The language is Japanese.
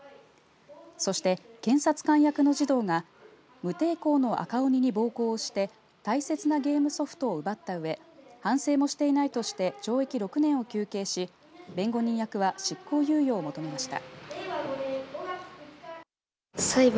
そして、検察官役の児童が無抵抗の赤鬼に暴行をして大切なゲームソフトを奪ったうえ反省もしていないとして懲役６年を求刑し弁護人役は執行猶予を求めました。